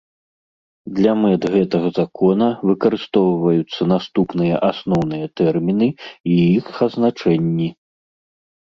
Для мэт гэтага Закона выкарыстоўваюцца наступныя асноўныя тэрмiны i iх азначэннi.